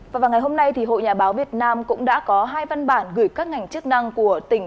và ngày hôm nay thì hội nhà báo việt nam cũng đã có hai văn bản gửi các ngành chức năng của tỉnh